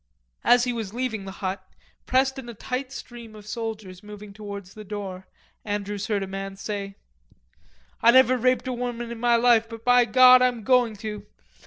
As he was leaving the hut, pressed in a tight stream of soldiers moving towards the door, Andrews heard a man say: "I never raped a woman in my life, but by God, I'm going to.